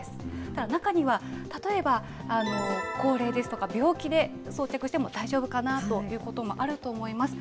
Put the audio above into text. ただ中には、例えば高齢ですとか、病気で装着しても大丈夫かなということもあると思います。